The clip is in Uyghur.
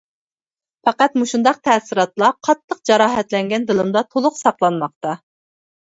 پەقەت مۇشۇنداق تەسىراتلا قاتتىق جاراھەتلەنگەن دىلىمدا تولۇق ساقلانماقتا.